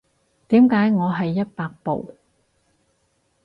點解我係一百步